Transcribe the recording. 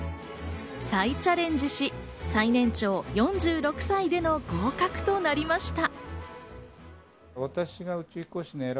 再チャレンジし、最年長４６歳での合格となりました。